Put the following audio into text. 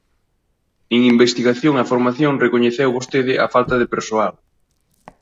En investigación e formación recoñeceu vostede a falta de persoal.